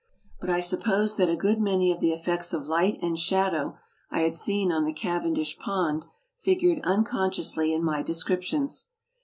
But I suppose that a good many of the effects of light and shadow I had seen on the Cavendish pond figured unconsciously in my descriptions.